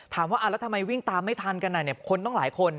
ถามว่าอ่าละทำไมวิ่งตามไม่ทันกันอ่ะเนี่ยคนทั้งหลายคน